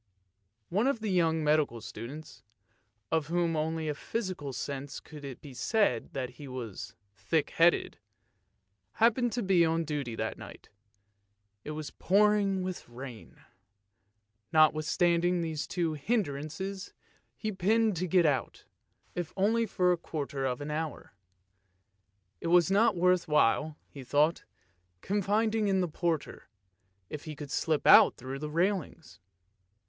One of the young medical students, of whom only in a physical sense could it be said that he was thick headed, happened to be on duty that night; it was pouring with rain. Notwithstanding these two hindrances he pined to get out, if only for a quarter of j2o ANDERSEN'S FAIRY TALES an hour. It was not worth while, he thought, confiding in the porter, if he could slip out through the railings.